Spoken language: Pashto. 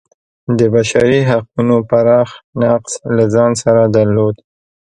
د بشري حقونو پراخ نقض له ځان سره درلود.